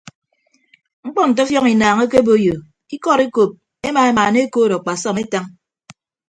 Mkpọ nte ọfiọñ inaañ ekeboiyo ikọd ekop ema emaana ekood akpasọm etañ.